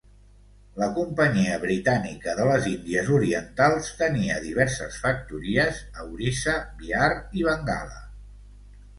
La companyia Britànica de les Índies Orientals tenia diverses factories a Orissa, Bihar i Bengala.